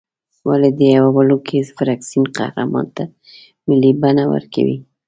ولې د یوه وړوکي فرکسیون قهرمان ته ملي بڼه ورکوې.